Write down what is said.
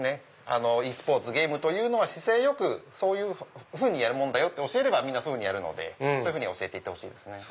ｅスポーツゲームというのは姿勢よくそういうふうにやるもんだよと教えればみんなそういうふうにやるので教えて行ってほしいですね。